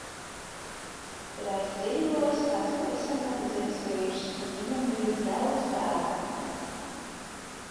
Reiz dzīvojis kāds pavisam nabadzīgs vīrs un viņam bijis daudz bērnu.